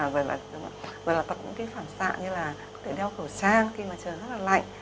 rồi là có những cái phản xạ như là có thể đeo kiểu trang khi mà trời rất là lạnh